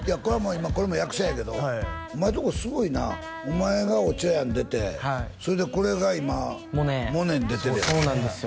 これも役者やけどお前とこすごいなお前が「おちょやん」出てそれでこれが今「モネ」「モネ」に出てるやんそうなんですよ